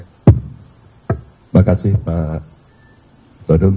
terima kasih pak sodun